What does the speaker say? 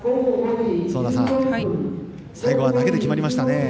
園田さん最後は投げで決まりましたね。